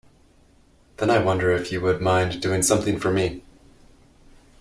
Then I wonder if you would mind doing something for me.